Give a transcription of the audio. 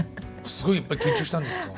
すごいいっぱい緊張したんですか？